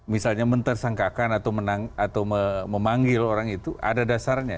misalnya mentersangkakan atau memanggil orang itu ada dasarnya